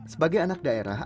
sebagai anak daerah